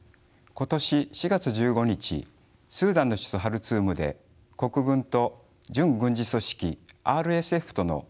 今年４月１５日スーダンの首都ハルツームで国軍と準軍事組織ＲＳＦとの軍事衝突が発生しました。